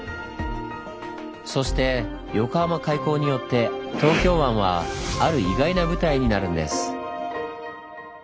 そして横浜開港によって東京湾はある意外な舞台になるんです。